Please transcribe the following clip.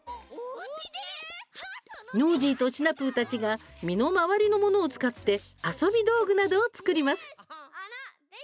ノージーとシナプーたちが身の回りのものを使って遊び道具などを作ります。